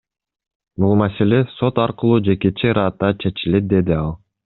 Бул маселе сот аркылуу жекече ыраатта чечилет, — деди ал.